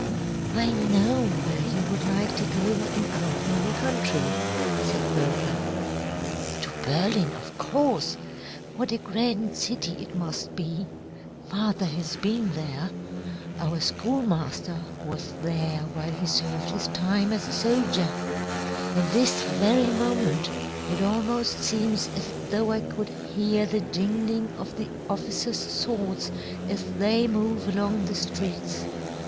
"I know where you would like to go in our own country," said Bertha. "To Berlin, of course. What a grand city it must be! Father has been there. Our schoolmaster was there while he served his time as a soldier. At this very moment, it almost seems as though I could hear the jingling of the officers' swords as they move along the streets.